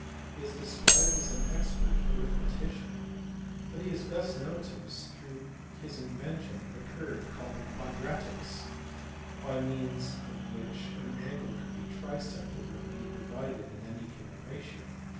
is described as an expert arithmetician; but he is best known to us through his invention of a curve called the quadratrix, by means of which an angle could be trisected, or indeed divided in any given ratio.